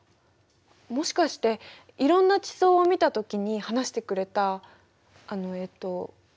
もしかしていろんな地層を見た時に話してくれたあのえっと。